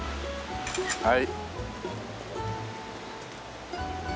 はい。